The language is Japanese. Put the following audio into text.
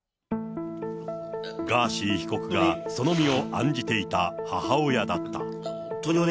ガーシー被告がその身を案じていた母親だった。